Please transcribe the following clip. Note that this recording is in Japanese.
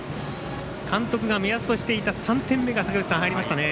監督が目安としていた３点目が入りましたね。